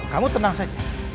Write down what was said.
kamu tenang saja